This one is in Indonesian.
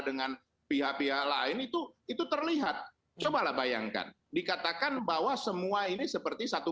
dengan pihak pihak lain itu itu terlihat cobalah bayangkan dikatakan bahwa semua ini seperti satu